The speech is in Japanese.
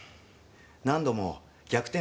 何度も逆転